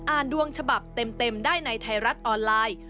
ดวงฉบับเต็มได้ในไทยรัฐออนไลน์